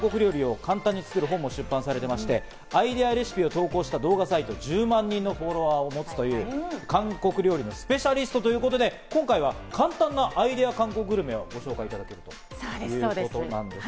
来日して２３年、本場の韓国料理を簡単に作る本を出版されていまして、アイデアレシピを投稿した動画サイトでは、１０万人のフォロワーを持つという韓国料理のスペシャリストということで今回は、簡単なアイデア韓国グルメを紹介してもらいます。